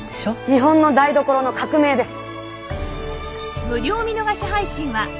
日本の台所の革命です。